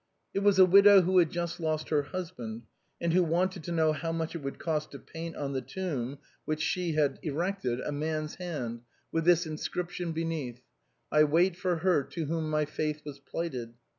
It was a widow who had just lost her husband, and who wanted to know how much it would cost to paint on the tomb which she had erected a mans hand, with this inscription beneath : j> " I WAIT FOE HER TO WHOM MY FAITH WAS PLIGHTED.